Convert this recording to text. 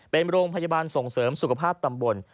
เป็นโรงพยาบาลส่งเสริมสุขภาพตำบล